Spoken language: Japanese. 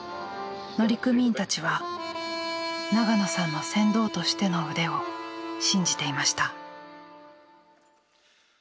乗組員たちは長野さんの船頭としての腕を信じていました。